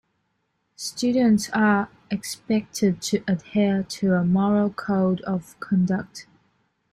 Students are expected to adhere to a Moral Code of Conduct.